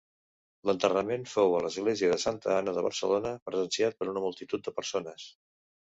L'enterrament fou a l'Església de Santa Anna de Barcelona, presenciat per una multitud de persones.